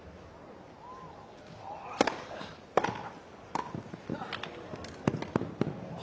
ああ。